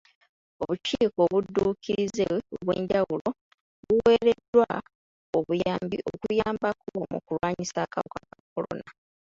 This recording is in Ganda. Obukiiko obudduukirize obw'enjawulo buweereddwa obuyambi okuyambako mu kulwanyisa akawuka ka kolona.